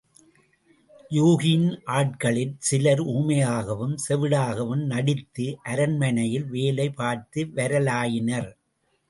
யூகியின் ஆட்களிற் சிலர் ஊமையாகவும், செவிடாகவும் நடித்து அரண்மனையில் வேலை பார்த்து வரலாயினர்.